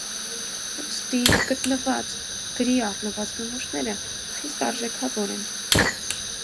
Ուստի, գտնված, գրի առնված նմուշները խիստ արժեքավոր են։